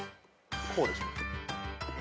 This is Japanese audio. こうでしょ。